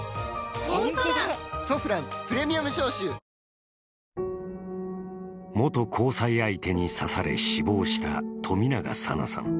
「ソフランプレミアム消臭」元交際相手に刺され死亡した冨永紗菜さん。